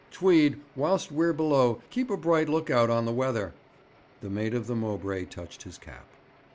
'Tweed, whilst we're below keep a bright look out on the weather.' The mate of the Mowbray touched his cap.